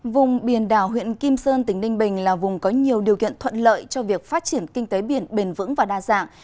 vùng biển đảo huyện kim sơn tỉnh ninh bình là vùng có nhiều điều kiện thuận lợi cho việc phát triển kinh tế biển bền vững và đa dạng